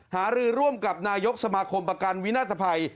หารือร่วมกับนายกสมาคมประกันวินาศภัย